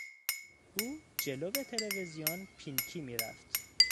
او جلو تلویزیون پینکی میرفت.